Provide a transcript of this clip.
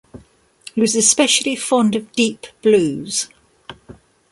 He was especially fond of deep blues.